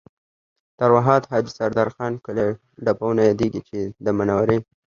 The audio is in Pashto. د ارواښاد حاجي سردار خان کلی ډبونه یادېږي چې د منورې